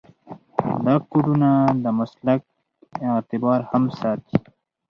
دا کودونه د مسلک اعتبار هم ساتي.